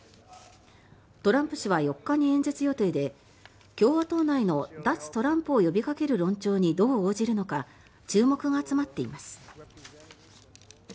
トランプ氏は４日に演説予定で共和党内の脱トランプを呼びかける論調にどう応じるのか注目が集まっています。